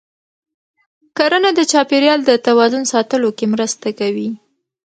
کرنه د چاپېریال د توازن ساتلو کې مرسته کوي.